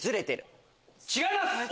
違います！